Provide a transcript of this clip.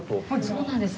そうなんです。